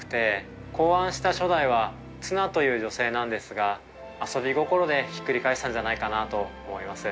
考案した初代はツナという女性なんですが遊び心でひっくり返したんじゃないかなと思います。